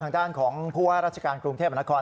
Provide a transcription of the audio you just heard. ทางด้านของผู้ว่าราชการกรุงเทพมนาคม